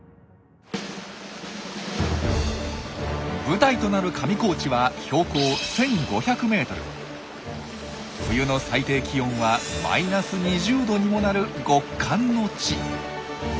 舞台となる上高地は冬の最低気温はマイナス２０℃にもなる極寒の地。